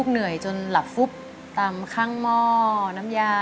เหนื่อยจนหลับฟุบตามข้างหม้อน้ำยา